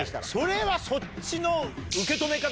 それはそっちの。